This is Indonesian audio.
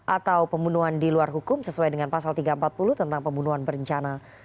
atau pembunuhan di luar hukum sesuai dengan pasal tiga ratus empat puluh tentang pembunuhan berencana